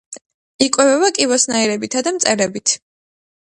იკვებება კიბოსნაირებითა და მწერებით.